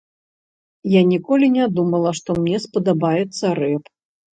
Я ніколі не думала, што мне спадабаецца рэп.